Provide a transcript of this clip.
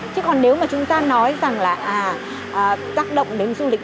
chứ còn nếu mà chúng ta nói rằng là tác động đến du lịch